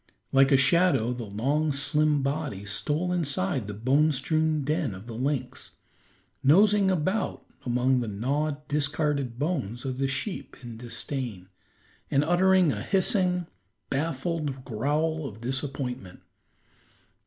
Like a shadow, the long, slim body stole inside the bone strewn den of the lynx, nosing about among the gnawed, discarded bones of the sheep in disdain, and uttering a hissing, baffled growl of disappointment.